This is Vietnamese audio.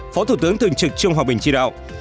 phó thủ tướng thường trực trung hòa bình tri đạo